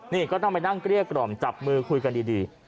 นี่ก็ต้องไปนั่งเกลี้ยกล่อมจับมือคุยกันดี